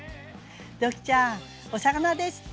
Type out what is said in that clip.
ドッキーちゃんお魚ですって！